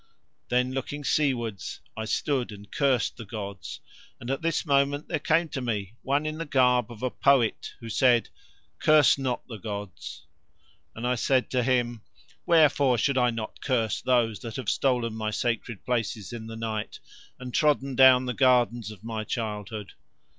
Then looking seawards I stood and cursed the gods, and at this moment there came to me one in the garb of a poet, who said:— "Curse not the gods." And I said to him: "Wherefore should I not curse Those that have stolen my sacred places in the night, and trodden down the gardens of my childhood?"